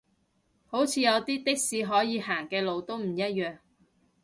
好似有啲的士可以行嘅路都唔一樣